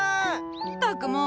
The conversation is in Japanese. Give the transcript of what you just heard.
ったくもう！